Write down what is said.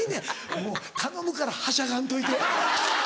もう頼むからはしゃがんといて。